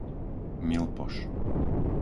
Milpoš